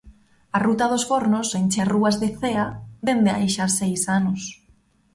A ruta dos fornos enche as rúas de Cea dende hai xa seis anos.